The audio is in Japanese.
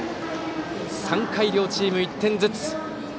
３回、両チーム１点ずつ。